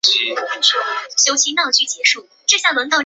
毕业于解放军信息工程大学信息技术应用与管理专业。